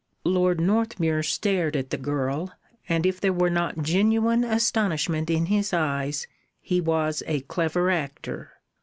Lord Northmuir stared at the girl, and if there were not genuine astonishment in his eyes, he was a clever actor.